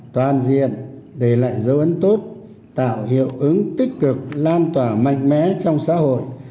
toàn diện để lại dấu ấn tốt tạo hiệu ứng tích cực lan tỏa mạnh mẽ trong xã hội